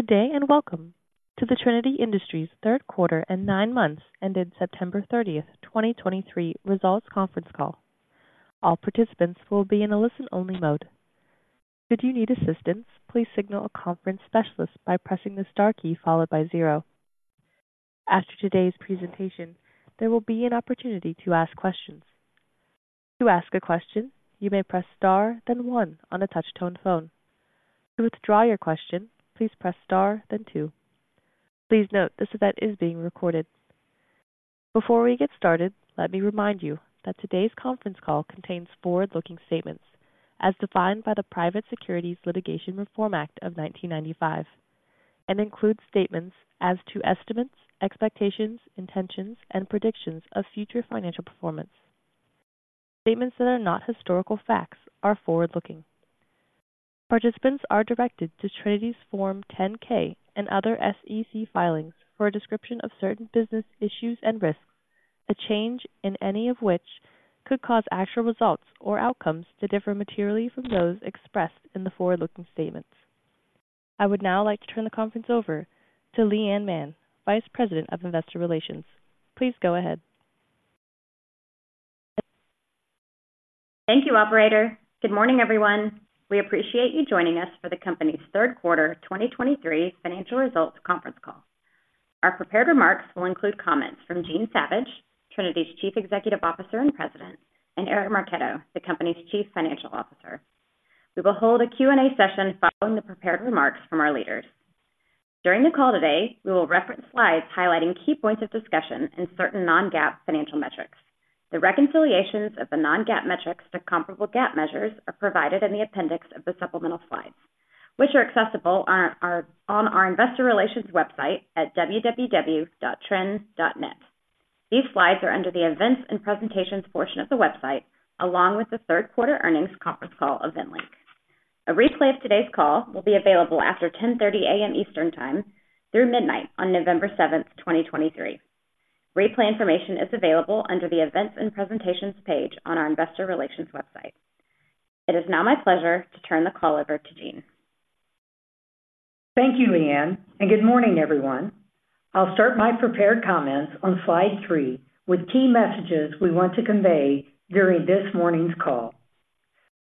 Good day, and welcome to the Trinity Industries third quarter and nine months ended September 30th, 2023 results conference call. All participants will be in a listen-only mode. Should you need assistance, please signal a conference specialist by pressing the star key followed by zero. After today's presentation, there will be an opportunity to ask questions. "To ask a question, you may press star, then one" on a touch-tone phone. "To withdraw your question, please press star, then two". Please note, this event is being recorded. Before we get started, let me remind you that today's conference call contains forward-looking statements as defined by the Private Securities Litigation Reform Act of 1995, and includes statements as to estimates, expectations, intentions, and predictions of future financial performance. Statements that are not historical facts are forward-looking. Participants are directed to Trinity's Form 10-K and other SEC filings for a description of certain business issues and risks, a change in any of which could cause actual results or outcomes to differ materially from those expressed in the forward-looking statements. I would now like to turn the conference over to Leigh Anne Mann, Vice President of Investor Relations. Please go ahead. Thank you, operator. Good morning, everyone. We appreciate you joining us for the company's third quarter 2023 financial results conference call. Our prepared remarks will include comments from Jean Savage, Trinity's Chief Executive Officer and President, and Eric Marchetto, the Company's Chief Financial Officer. We will hold a Q&A session following the prepared remarks from our leaders. During the call today, we will reference slides highlighting key points of discussion and certain non-GAAP financial metrics. The reconciliations of the non-GAAP metrics to comparable GAAP measures are provided in the appendix of the supplemental slides, which are accessible on our investor relations website at www.trin.net. These slides are under the Events and Presentations portion of the website, along with the third quarter earnings conference call event link. A replay of today's call will be available after 10:30 A.M. Eastern Time through midnight on November 7th, 2023. Replay information is available under the Events and Presentations page on our investor relations website. It is now my pleasure to turn the call over to Jean. Thank you, Leigh Anne, and good morning, everyone. I'll start my prepared comments on slide three with key messages we want to convey during this morning's call.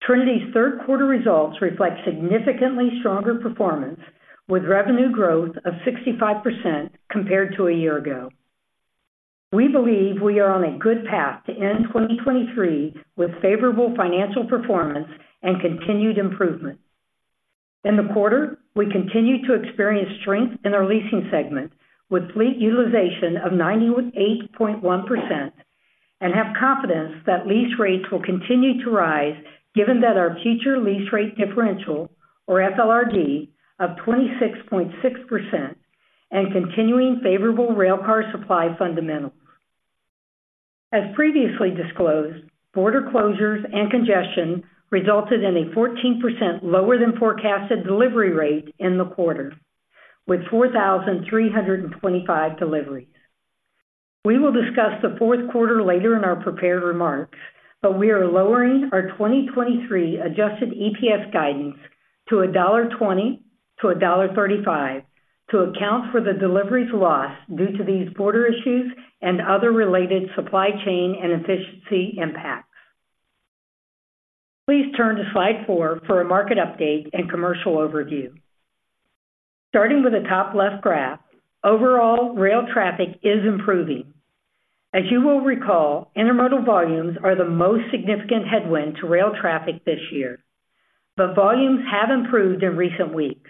Trinity's third quarter results reflect significantly stronger performance, with revenue growth of 65% compared to a year ago. We believe we are on a good path to end 2023 with favorable financial performance and continued improvement. In the quarter, we continued to experience strength in our leasing segment, with fleet utilization of 98.1%, and have confidence that lease rates will continue to rise, given that our future lease rate differential, or FLRD, of 26.6% and continuing favorable railcar supply fundamentals. As previously disclosed, border closures and congestion resulted in a 14% lower than forecasted delivery rate in the quarter, with 4,325 deliveries. We will discuss the fourth quarter later in our prepared remarks, but we are lowering our 2023 Adjusted EPS guidance to $1.20-$1.35 to account for the deliveries lost due to these border issues and other related supply chain and efficiency impacts. Please turn to slide four for a market update and commercial overview. Starting with the top left graph, overall rail traffic is improving. As you will recall, intermodal volumes are the most significant headwind to rail traffic this year, but volumes have improved in recent weeks.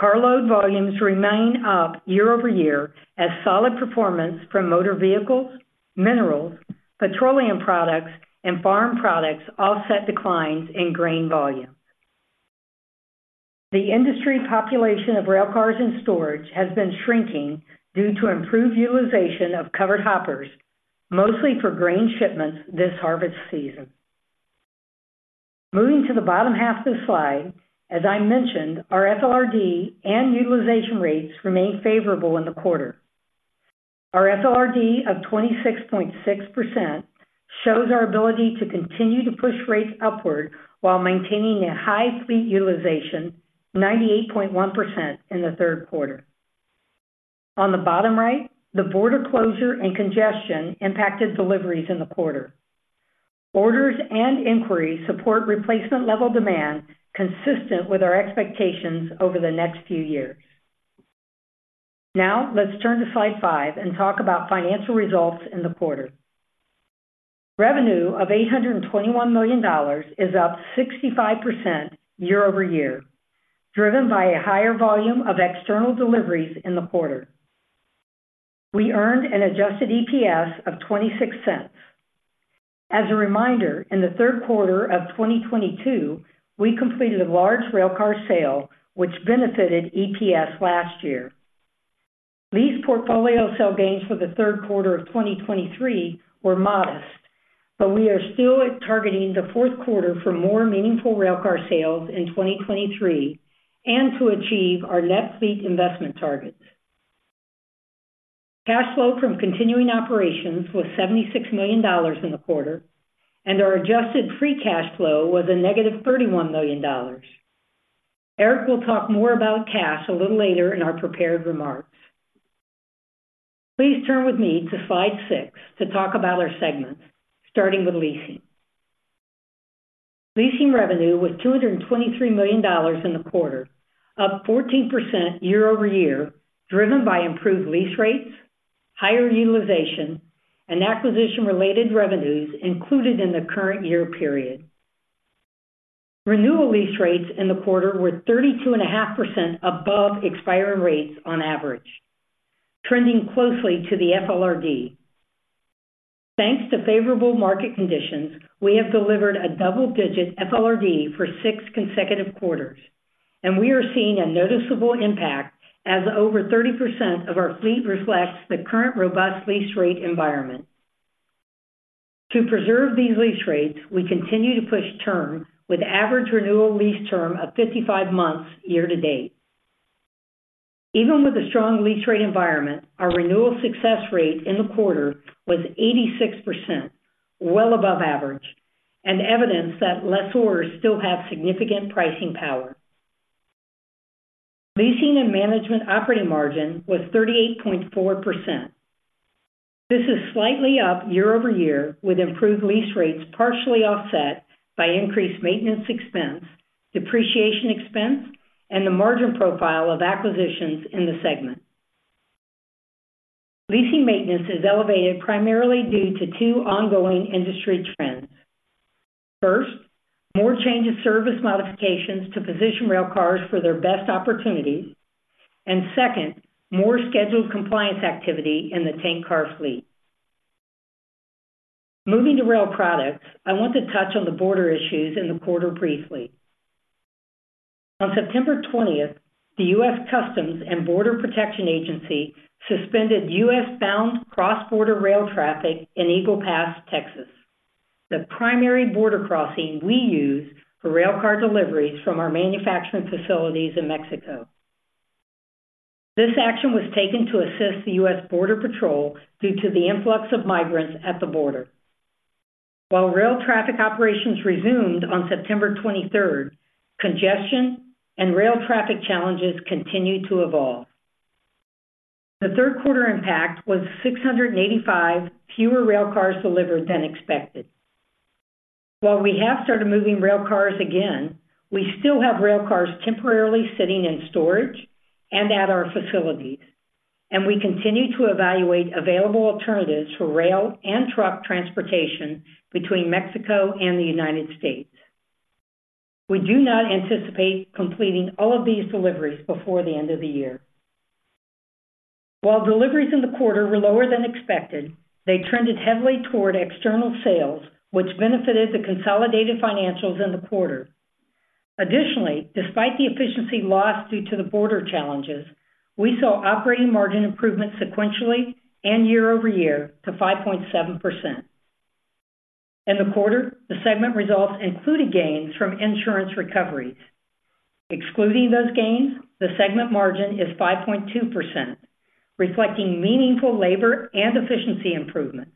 Carload volumes remain up year-over-year as solid performance from motor vehicles, minerals, petroleum products, and farm products offset declines in grain volumes. The industry population of railcars in storage has been shrinking due to improved utilization of covered hoppers, mostly for grain shipments this harvest season. Moving to the bottom half of the slide, as I mentioned, our FLRD and utilization rates remained favorable in the quarter. Our FLRD of 26.6% shows our ability to continue to push rates upward while maintaining a high fleet utilization, 98.1% in the third quarter. On the bottom right, the border closure and congestion impacted deliveries in the quarter. Orders and inquiries support replacement level demand consistent with our expectations over the next few years. Now, let's turn to slide five and talk about financial results in the quarter. Revenue of $821 million is up 65% year-over-year, driven by a higher volume of external deliveries in the quarter. We earned an adjusted EPS of $0.26. As a reminder, in the third quarter of 2022, we completed a large railcar sale, which benefited EPS last year. Lease portfolio sale gains for the third quarter of 2023 were modest, but we are still targeting the fourth quarter for more meaningful railcar sales in 2023 and to achieve our net fleet investment targets. Cash flow from continuing operations was $76 million in the quarter, and our adjusted free cash flow was -$31 million. Eric will talk more about cash a little later in our prepared remarks. Please turn with me to slide six to talk about our segments, starting with leasing. Leasing revenue was $223 million in the quarter, up 14% year-over-year, driven by improved lease rates, higher utilization, and acquisition-related revenues included in the current year period. Renewal lease rates in the quarter were 32.5% above expiring rates on average, trending closely to the FLRD. Thanks to favorable market conditions, we have delivered a double-digit FLRD for six consecutive quarters, and we are seeing a noticeable impact as over 30% of our fleet reflects the current robust lease rate environment. To preserve these lease rates, we continue to push term with average renewal lease term of 55 months year to date. Even with the strong lease rate environment, our renewal success rate in the quarter was 86%, well above average, and evidence that lessors still have significant pricing power. Leasing and management operating margin was 38.4%. This is slightly up year-over-year, with improved lease rates partially offset by increased maintenance expense, depreciation expense, and the margin profile of acquisitions in the segment. Leasing maintenance is elevated primarily due to two ongoing industry trends. First, more change of service modifications to position railcars for their best opportunities, and second, more scheduled compliance activity in the tank car fleet. Moving to rail products, I want to touch on the border issues in the quarter briefly. On September 20th, the U.S. Customs and Border Protection suspended U.S.-bound cross-border rail traffic in Eagle Pass, Texas, the primary border crossing we use for railcar deliveries from our manufacturing facilities in Mexico. This action was taken to assist the U.S. Border Patrol due to the influx of migrants at the border. While rail traffic operations resumed on September 23rd, congestion and rail traffic challenges continued to evolve. The third quarter impact was 685 fewer railcars delivered than expected. While we have started moving railcars again, we still have railcars temporarily sitting in storage and at our facilities, and we continue to evaluate available alternatives for rail and truck transportation between Mexico and the United States. We do not anticipate completing all of these deliveries before the end of the year. While deliveries in the quarter were lower than expected, they trended heavily toward external sales, which benefited the consolidated financials in the quarter. Additionally, despite the efficiency loss due to the border challenges, we saw operating margin improvement sequentially and year-over-year to 5.7%. In the quarter, the segment results included gains from insurance recoveries. Excluding those gains, the segment margin is 5.2%, reflecting meaningful labor and efficiency improvements.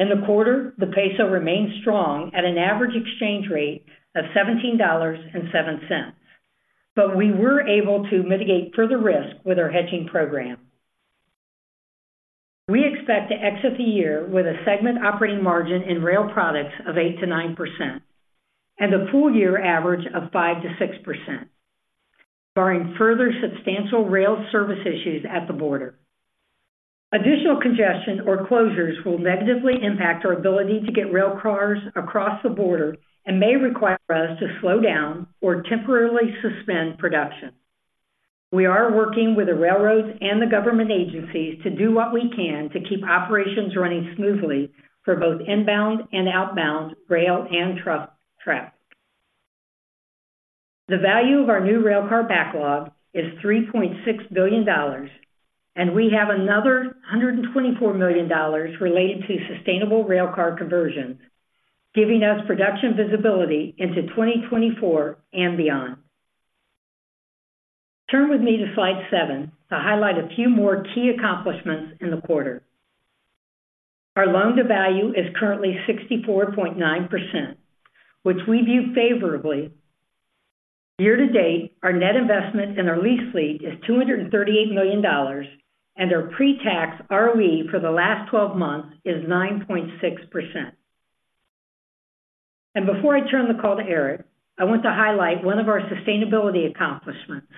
In the quarter, the peso remained strong at an average exchange rate of $17.07, but we were able to mitigate further risk with our hedging program. We expect to exit the year with a segment operating margin in rail products of 8%-9% and a full year average of 5%-6%, barring further substantial rail service issues at the border. Additional congestion or closures will negatively impact our ability to get railcars across the border and may require us to slow down or temporarily suspend production. We are working with the railroads and the government agencies to do what we can to keep operations running smoothly for both inbound and outbound rail and truck traffic. The value of our new railcar backlog is $3.6 billion, and we have another $124 million related to sustainable railcar conversions, giving us production visibility into 2024 and beyond. Turn with me to slide seven to highlight a few more key accomplishments in the quarter. Our Loan-to-Value is currently 64.9%, which we view favorably. Year to date, our net investment in our lease fleet is $238 million, and our pre-tax ROE for the last 12 months is 9.6%. Before I turn the call to Eric, I want to highlight one of our sustainability accomplishments.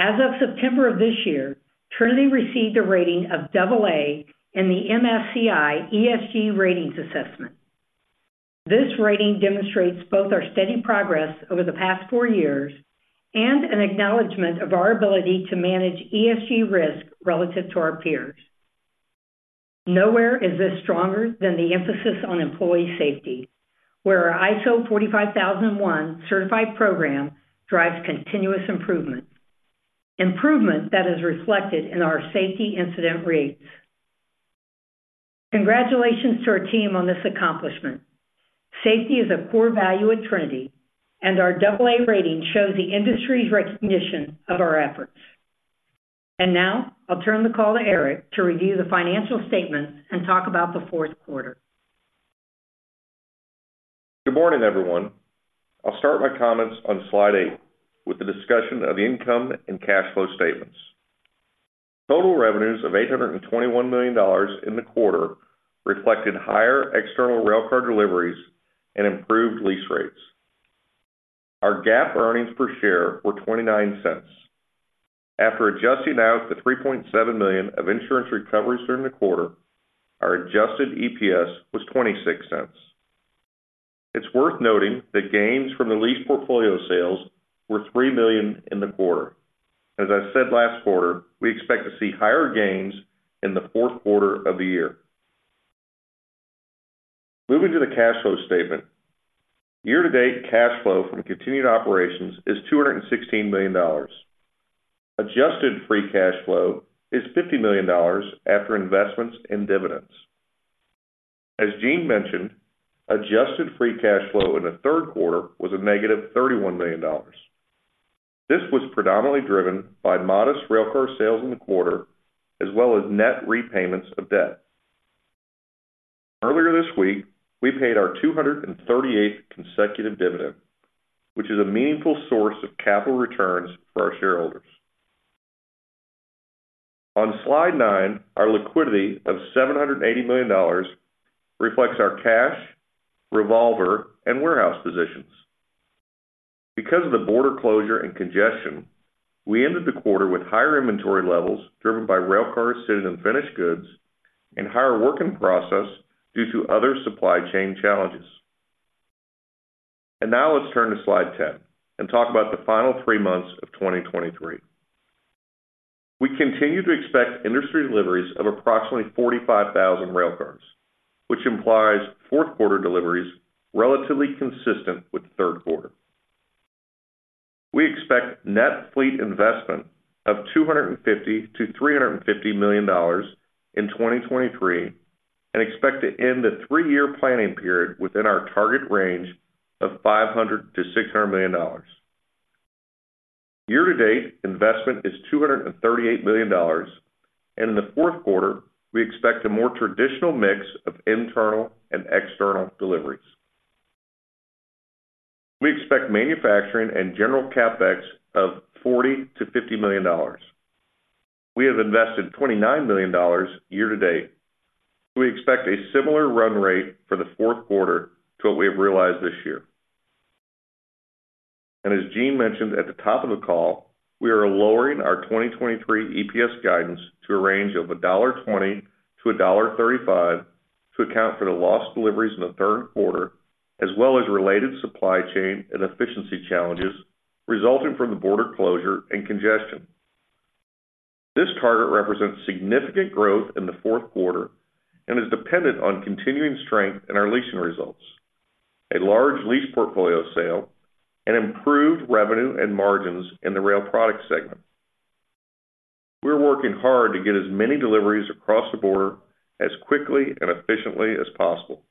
As of September of this year, Trinity received a rating of AA in the MSCI ESG Ratings assessment. This rating demonstrates both our steady progress over the past four years and an acknowledgment of our ability to manage ESG risk relative to our peers. Nowhere is this stronger than the emphasis on employee safety, where our ISO 45001 certified program drives continuous improvement, improvement that is reflected in our safety incident rates. Congratulations to our team on this accomplishment. Safety is a core value at Trinity, and our AA rating shows the industry's recognition of our efforts. Now, I'll turn the call to Eric to review the financial statements and talk about the fourth quarter. Good morning, everyone. I'll start my comments on slide eight with the discussion of income and cash flow statements. Total revenues of $821 million in the quarter reflected higher external railcar deliveries and improved lease rates. Our GAAP earnings per share were $0.29. After adjusting out the $3.7 million of insurance recoveries during the quarter, our adjusted EPS was $0.26. It's worth noting that gains from the lease portfolio sales were $3 million in the quarter. As I said last quarter, we expect to see higher gains in the fourth quarter of the year. Moving to the cash flow statement. Year-to-date cash flow from continued operations is $216 million. Adjusted free cash flow is $50 million after investments and dividends. As Gene mentioned, adjusted free cash flow in the third quarter was -$31 million. This was predominantly driven by modest railcar sales in the quarter, as well as net repayments of debt. Earlier this week, we paid our 238th consecutive dividend, which is a meaningful source of capital returns for our shareholders. On slide nine, our liquidity of $780 million reflects our cash, revolver, and warehouse positions. Because of the border closure and congestion, we ended the quarter with higher inventory levels, driven by railcars sitting in finished goods and higher work in process due to other supply chain challenges. And now let's turn to slide 10 and talk about the final three months of 2023. We continue to expect industry deliveries of approximately 45,000 railcars, which implies fourth quarter deliveries relatively consistent with the third quarter. We expect net fleet investment of $250 million-$350 million in 2023, and expect to end the three-year planning period within our target range of $500 million-$600 million. Year-to-date, investment is $238 million, and in the fourth quarter, we expect a more traditional mix of internal and external deliveries. We expect manufacturing and general CapEx of $40 million-$50 million. We have invested $29 million year-to-date. We expect a similar run rate for the fourth quarter to what we have realized this year. As Jean mentioned at the top of the call, we are lowering our 2023 EPS guidance to a range of $1.20-$1.35 to account for the lost deliveries in the third quarter, as well as related supply chain and efficiency challenges resulting from the border closure and congestion. This target represents significant growth in the fourth quarter and is dependent on continuing strength in our leasing results, a large lease portfolio sale, and improved revenue and margins in the rail product segment. We're working hard to get as many deliveries across the border as quickly and efficiently as possible,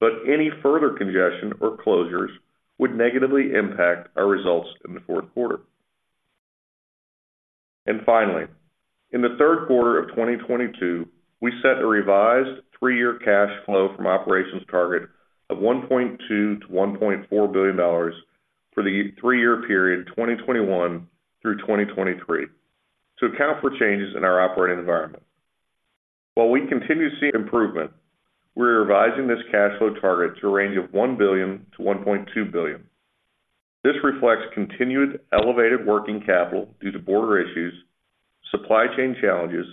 but any further congestion or closures would negatively impact our results in the fourth quarter. And finally, in the third quarter of 2022, we set a revised three-year cash flow from operations target of $1.2 billion-$1.4 billion for the three-year period, 2021 through 2023, to account for changes in our operating environment. While we continue to see improvement, we are revising this cash flow target to a range of $1 billion-$1.2 billion. This reflects continued elevated working capital due to border issues, supply chain challenges,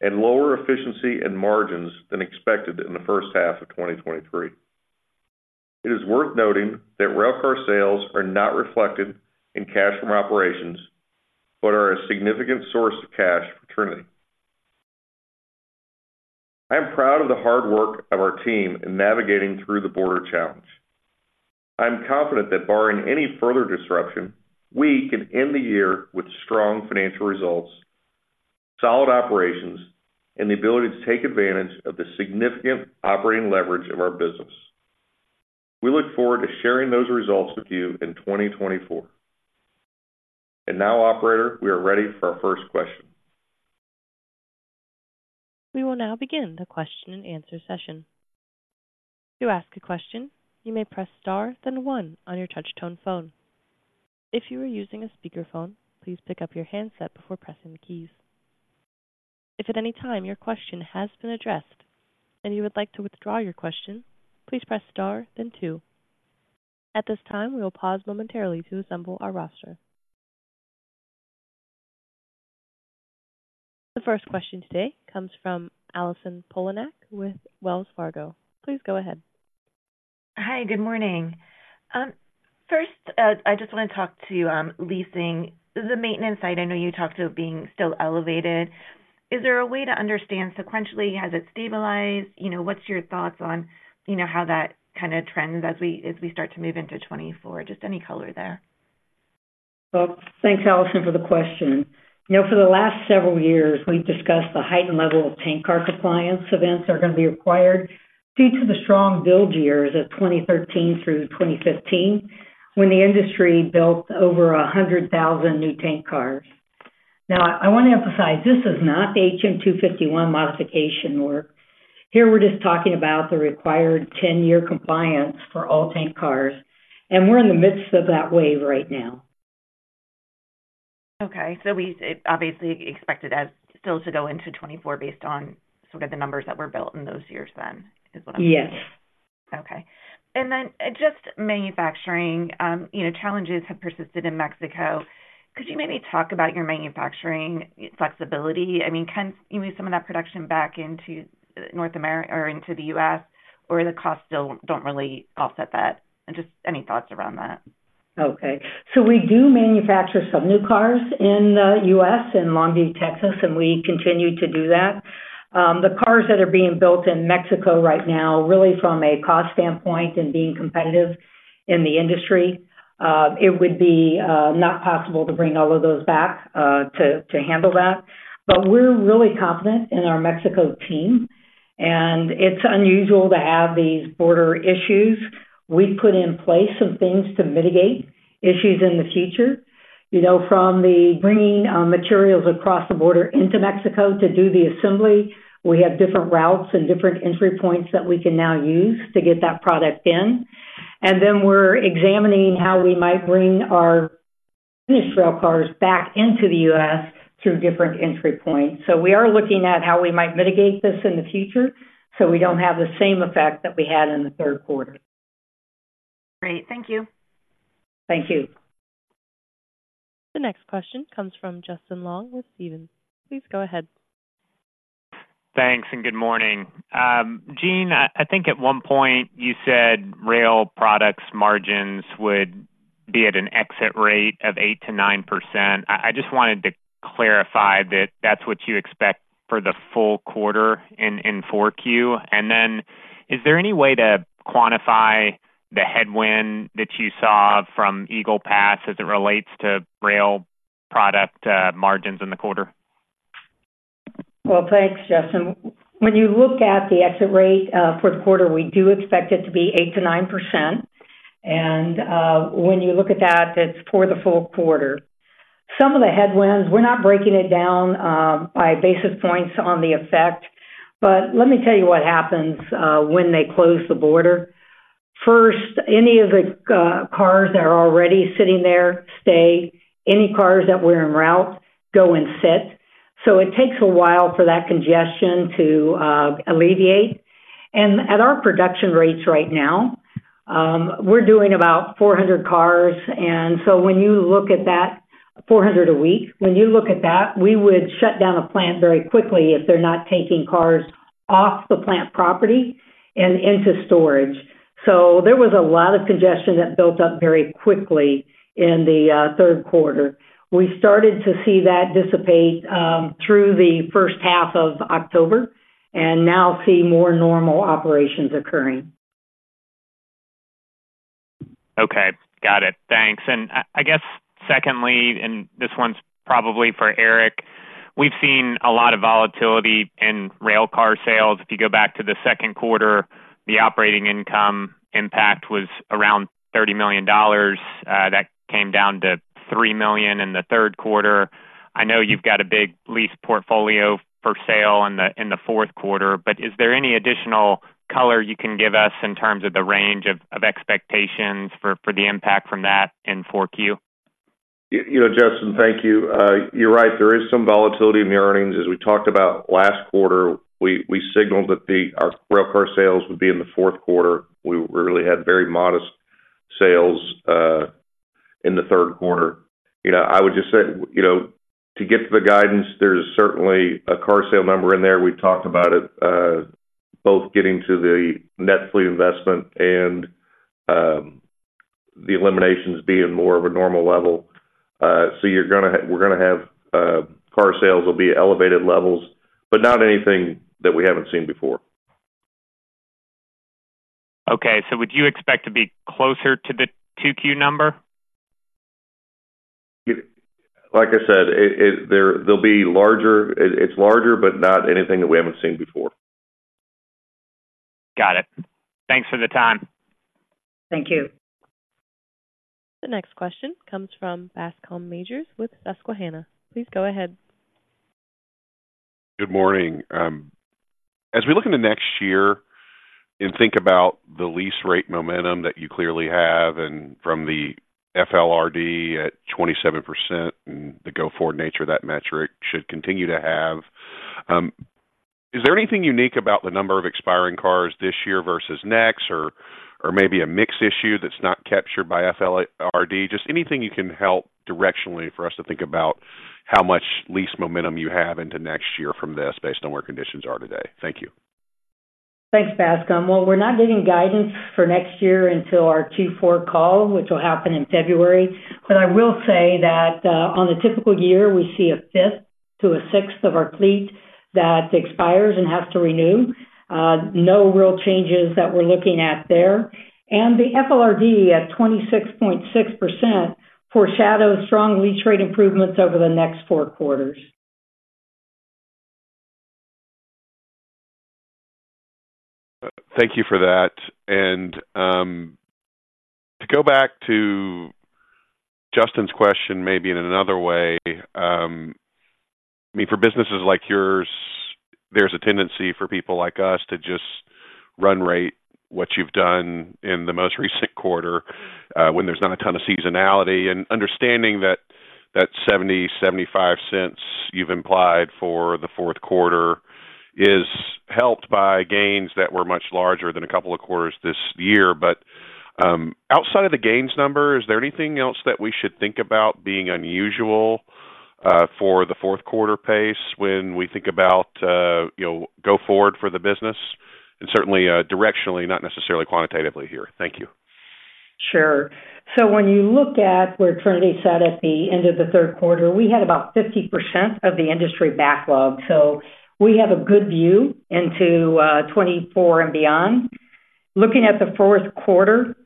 and lower efficiency and margins than expected in the first half of 2023. It is worth noting that railcar sales are not reflected in cash from operations, but are a significant source of cash for Trinity. I am proud of the hard work of our team in navigating through the border challenge. I am confident that barring any further disruption, we can end the year with strong financial results, solid operations, and the ability to take advantage of the significant operating leverage of our business. We look forward to sharing those results with you in 2024. And now, operator, we are ready for our first question. We will now begin the question-and-answer session. To ask a question, you may press star, then one" on your touchtone phone. If you are using a speakerphone, please pick up your handset before pressing the keys. If at any time your question has been addressed and you would like to withdraw your question, "please press star then two". At this time, we will pause momentarily to assemble our roster. The first question today comes from Allison Poliniak with Wells Fargo. Please go ahead. Hi, good morning. First, I just want to talk to you, leasing. The maintenance side, I know you talked to it being still elevated. Is there a way to understand sequentially, has it stabilized? You know, what's your thoughts on, you know, how that kind of trends as we start to move into 2024? Just any color there. Well, thanks, Allison, for the question. You know, for the last several years, we've discussed the heightened level of tank car compliance events are going to be required due to the strong build years of 2013 through 2015, when the industry built over 100,000 new tank cars. Now, I want to emphasize, this is not the HM-251 modification work. Here, we're just talking about the required 10-year compliance for all tank cars, and we're in the midst of that wave right now. Okay. So we obviously expected as still to go into 2024 based on sort of the numbers that were built in those years then, is what I'm hearing? Yes. Okay. And then just manufacturing, you know, challenges have persisted in Mexico. Could you maybe talk about your manufacturing flexibility? I mean, can you move some of that production back into the U.S., or the costs still don't really offset that? And just any thoughts around that. Okay. So we do manufacture some new cars in the U.S., in Longview, Texas, and we continue to do that. The cars that are being built in Mexico right now, really from a cost standpoint and being competitive in the industry, it would be not possible to bring all of those back to handle that. But we're really confident in our Mexico team, and it's unusual to have these border issues. We've put in place some things to mitigate issues in the future. You know, from the bringing materials across the border into Mexico to do the assembly, we have different routes and different entry points that we can now use to get that product in. And then we're examining how we might bring our finished rail cars back into the U.S. through different entry points. We are looking at how we might mitigate this in the future, so we don't have the same effect that we had in the third quarter. Great. Thank you. Thank you. The next question comes from Justin Long with Stephens. Please go ahead. Thanks, and good morning. Jean, I think at one point you said rail products margins would be at an exit rate of 8%-9%. I just wanted to clarify that that's what you expect for the full quarter in 4Q. And then is there any way to quantify the headwind that you saw from Eagle Pass as it relates to rail product margins in the quarter? Well, thanks, Justin. When you look at the exit rate for the quarter, we do expect it to be 8%-9%. And when you look at that, it's for the full quarter. Some of the headwinds, we're not breaking it down by basis points on the effect, but let me tell you what happens when they close the border. First, any of the cars that are already sitting there stay. Any cars that were en route go and sit. So it takes a while for that congestion to alleviate. And at our production rates right now, we're doing about 400 cars, and so when you look at that, 400 a week, when you look at that, we would shut down a plant very quickly if they're not taking cars off the plant property and into storage. There was a lot of congestion that built up very quickly in the third quarter. We started to see that dissipate through the first half of October, and now see more normal operations occurring. Okay. Got it. Thanks. I guess secondly, and this one's probably for Eric, we've seen a lot of volatility in railcar sales. If you go back to the second quarter, the operating income impact was around $30 million. That came down to $3 million in the third quarter. I know you've got a big lease portfolio for sale in the fourth quarter, but is there any additional color you can give us in terms of the range of expectations for the impact from that in 4Q? You know, Justin, thank you. You're right, there is some volatility in the earnings. As we talked about last quarter, we signaled that our rail car sales would be in the fourth quarter. We really had very modest sales in the third quarter. You know, I would just say, you know, to get to the guidance, there's certainly a car sale number in there. We talked about it, both getting to the net fleet investment and the eliminations being more of a normal level. So you're gonna have, we're gonna have, car sales will be at elevated levels, but not anything that we haven't seen before. Okay. So would you expect to be closer to the 2Q number? Like I said, they'll be larger. It's larger, but not anything that we haven't seen before. Got it. Thanks for the time. Thank you. The next question comes from Bascome Majors with Susquehanna. Please go ahead. Good morning. As we look into next year and think about the lease rate momentum that you clearly have and from the FLRD at 27% and the go-forward nature that metric should continue to have, is there anything unique about the number of expiring cars this year versus next, or, or maybe a mix issue that's not captured by FLRD? Just anything you can help directionally for us to think about how much lease momentum you have into next year from this, based on where conditions are today. Thank you. Thanks, Bascome. Well, we're not giving guidance for next year until our Q4 call, which will happen in February. But I will say that on a typical year, we see a fifth to a sixth of our fleet that expires and has to renew. No real changes that we're looking at there. And the FLRD at 26.6% foreshadows strong lease rate improvements over the next four quarters. Thank you for that. And, to go back to Justin's question, maybe in another way, I mean, for businesses like yours, there's a tendency for people like us to just run rate what you've done in the most recent quarter, when there's not a ton of seasonality, and understanding that, that $0.70-$0.75 you've implied for the fourth quarter is helped by gains that were much larger than a couple of quarters this year. But, outside of the gains number, is there anything else that we should think about being unusual, for the fourth quarter pace when we think about, you know, go forward for the business? And certainly, directionally, not necessarily quantitatively here. Thank you. Sure. So when you look at where Trinity sat at the end of the third quarter, we had about 50% of the industry backlog, so we have a good view into 2024 and beyond. Looking at the fourth quarter,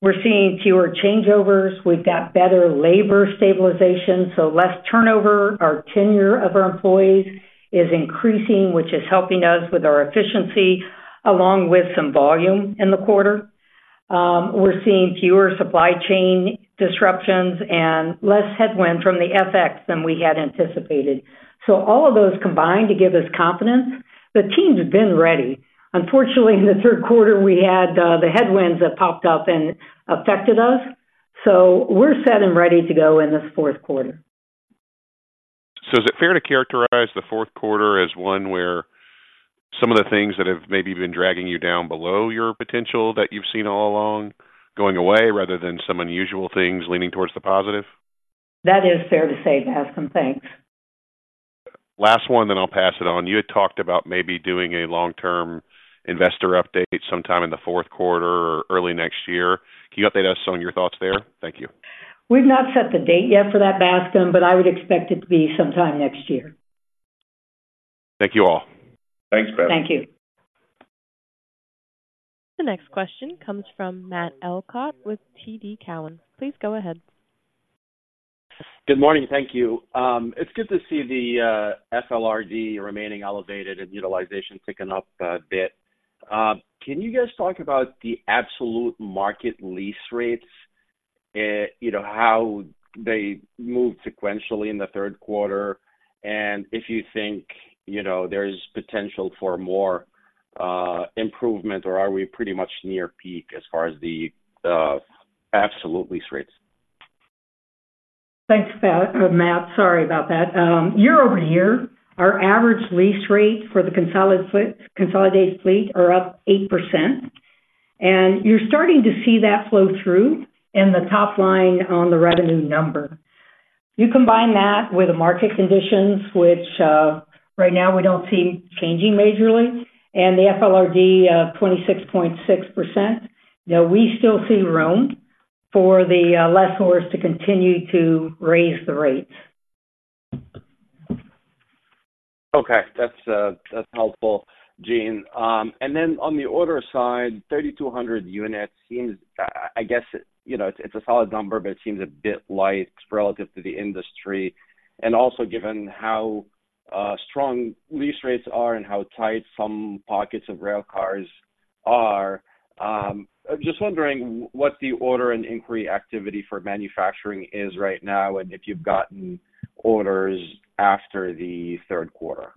we're seeing fewer changeovers. We've got better labor stabilization, so less turnover. Our tenure of our employees is increasing, which is helping us with our efficiency, along with some volume in the quarter. We're seeing fewer supply chain disruptions and less headwind from the FX than we had anticipated. So all of those combine to give us confidence. The team's been ready. Unfortunately, in the third quarter, we had the headwinds that popped up and affected us, so we're set and ready to go in this fourth quarter. So is it fair to characterize the fourth quarter as one where some of the things that have maybe been dragging you down below your potential that you've seen all along, going away, rather than some unusual things leaning towards the positive? That is fair to say, Bascome. Thanks. Last one, then I'll pass it on. You had talked about maybe doing a long-term investor update sometime in the fourth quarter or early next year. Can you update us on your thoughts there? Thank you. We've not set the date yet for that, Bascome, but I would expect it to be sometime next year. Thank you, all. Thanks, Bascome. Thank you. The next question comes from Matt Elkott with TD Cowen. Please go ahead. Good morning. Thank you. It's good to see the FLRD remaining elevated and utilization ticking up a bit. Can you guys talk about the absolute market lease rates? You know, how they moved sequentially in the third quarter, and if you think, you know, there's potential for more improvement, or are we pretty much near peak as far as the absolute lease rates? Thanks, Matt. Matt, sorry about that. Year-over-year, our average lease rate for the consolidated fleet are up 8%, and you're starting to see that flow through in the top line on the revenue number. You combine that with the market conditions, which right now we don't see changing majorly, and the FLRD of 26.6%, you know, we still see room for the lessors to continue to raise the rates. Okay. That's helpful, Jean. And then on the order side, 3,200 units seems, I guess, you know, it's a solid number, but it seems a bit light relative to the industry, and also given how strong lease rates are and how tight some pockets of railcars are. I'm just wondering what the order and inquiry activity for manufacturing is right now, and if you've gotten orders after the third quarter.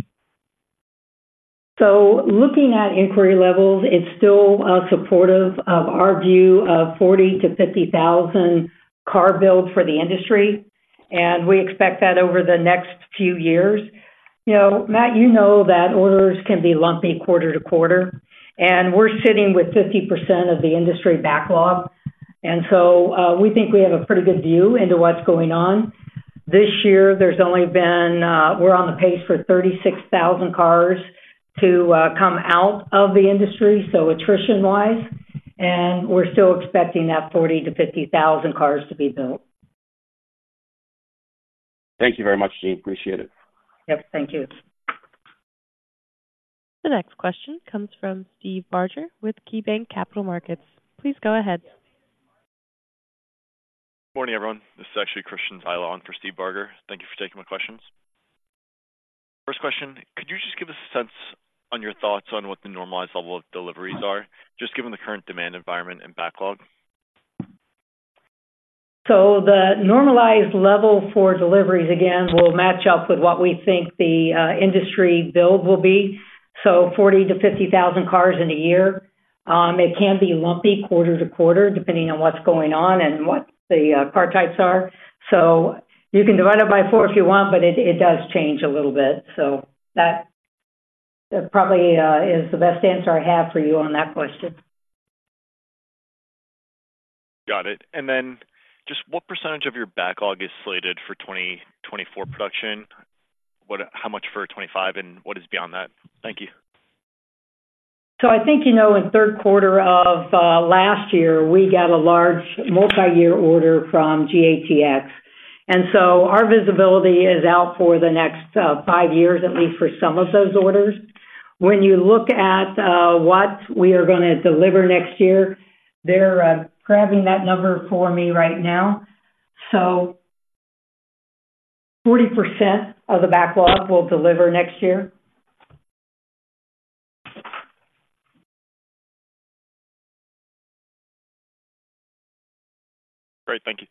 So looking at inquiry levels, it's still supportive of our view of 40-50,000 car build for the industry, and we expect that over the next few years. You know, Matt, you know that orders can be lumpy quarter to quarter, and we're sitting with 50% of the industry backlog. And so we think we have a pretty good view into what's going on. This year, there's only been we're on the pace for 36,000 cars to come out of the industry, so attrition-wise, and we're still expecting that 40-50,000 cars to be built. Thank you very much, Jean. Appreciate it. Yep, thank you. The next question comes from Steve Barger with KeyBanc Capital Markets. Please go ahead. Morning, everyone. This is actually Christian Zyla on for Steve Barger. Thank you for taking my questions. First question, could you just give us a sense on your thoughts on what the normalized level of deliveries are, just given the current demand environment and backlog? So the normalized level for deliveries, again, will match up with what we think the industry build will be, so 40,000-50,000 cars in a year. It can be lumpy quarter to quarter, depending on what's going on and what the car types are. So you can divide it by four if you want, but it does change a little bit. So that probably is the best answer I have for you on that question. Got it. And then, just what percentage of your backlog is slated for 2024 production? What, how much for 2025, and what is beyond that? Thank you. So I think, you know, in the third quarter of last year, we got a large multi-year order from GATX, and so our visibility is out for the next five years, at least for some of those orders. When you look at what we are gonna deliver next year, they're grabbing that number for me right now. So 40% of the backlog will deliver next year. Great. Thank you.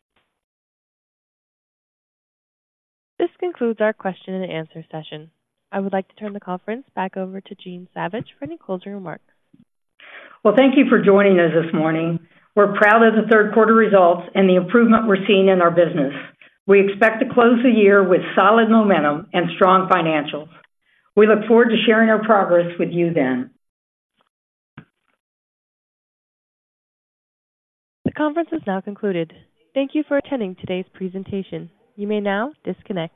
This concludes our question and answer session. I would like to turn the conference back over to Jean Savage for any closing remarks. Well, thank you for joining us this morning. We're proud of the third quarter results and the improvement we're seeing in our business. We expect to close the year with solid momentum and strong financials. We look forward to sharing our progress with you then. The conference is now concluded. Thank you for attending today's presentation. You may now disconnect.